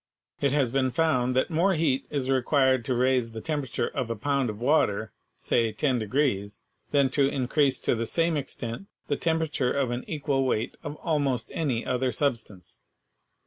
It has been found that more heat is required to raise the temperature of a pound of water, say 10 degrees, than to increase to the same extent the temperature of an equal weight of almost any other substance.